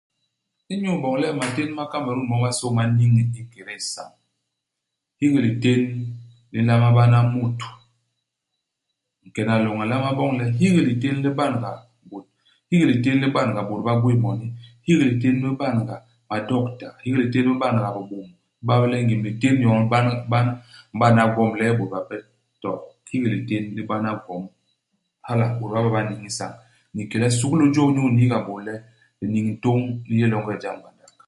Inyu iboñ le matén ma Kamerun momasô ma niñ ikédé nsañ, hiki litén li nlama bana mut. Nkena loñ a nlama boñ le hiki litén li ban-ga bôt. Hiki litén li ban-ga bôt ba gwéé moni. Hiki litén li ban-ga madokta ; hiki litén li ban-ga bibôm. I ba bé le ngim litén yon i ban ban i m'bana gwom ilel bôt bape. To, hiki litén li bana gwom. Hala, bôt ba ba ba niñ i nsañ. Ni ki le sukulu i jôp inyu iniiga bôt le liniñ ntôñ li yé longe i jam.